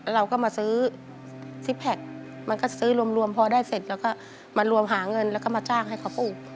เราก็มาซื้อซิกแพคมันก็ซื้อรวมพอได้เสร็จเราก็มารวมหาเงินแล้วก็มาจ้างให้เขาปลูก